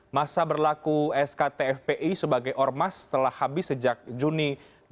masa berlaku skt fpi sebagai ormas telah habis sejak juni dua ribu dua puluh